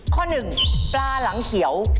ข้อหนึ่งปลาหลังเขียว